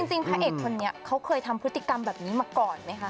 พระเอกคนนี้เขาเคยทำพฤติกรรมแบบนี้มาก่อนไหมคะ